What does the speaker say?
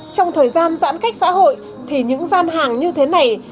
trong thời gian giãn cách xã hội thì những gian hàng như thế này